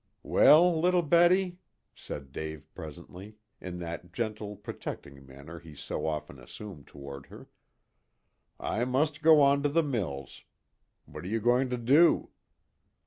"Well, little Betty," said Dave presently, in that gentle protecting manner he so often assumed toward her, "I must go on to the mills. What are you going to do?"